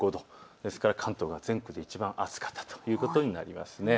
ですから関東は全国でいちばん暑かったということになるんですね。